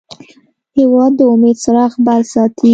هېواد د امید څراغ بل ساتي.